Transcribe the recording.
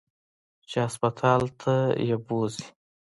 چې هسپتال ته يې بوځي.